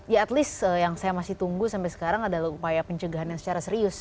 ya at least yang saya masih tunggu sampai sekarang adalah upaya pencegahan yang secara serius